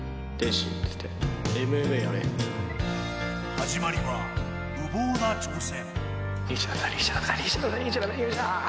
始まりは、無謀な挑戦。